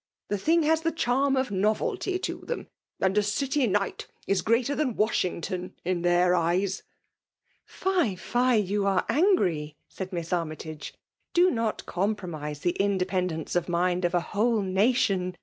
The thing has the charm of novehj to thesai ; and a dty knight is greater than Wasfauagton in their eyes !" <'S^ — fie — yott sare angry!" said Miss Annytage. " Do not compromise the hi dependence of mind of a whole nation.